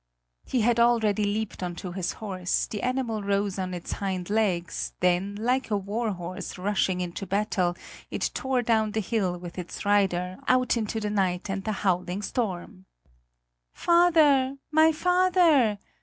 He had already leaped onto his horse; the animal rose on its hind legs, then, like a warhorse rushing into battle, it tore down the hill with its rider, out into the night and the howling storm. "Father, my father!"